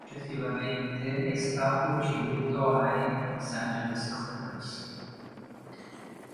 Successivamente è stato ceduto ai Los Angeles Clippers.